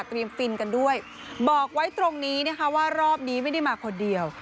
ฟินกันด้วยบอกไว้ตรงนี้นะคะว่ารอบนี้ไม่ได้มาคนเดียว